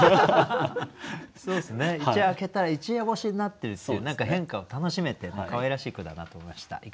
一夜明けたら一夜干しになってるっていう何か変化を楽しめてかわいらしい句だなと思いました。